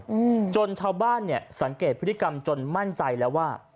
อืมจนชาวบ้านเนี้ยสังเกตพฤติกรรมจนมั่นใจแล้วว่า